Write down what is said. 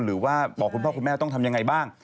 หรือว่าบอกคุณพ่อคุณแม่ต้องทำยังไงบ้าง